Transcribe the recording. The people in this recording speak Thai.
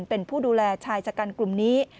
เป็นผู้ดูแลชายชะกันกลุ่มนี้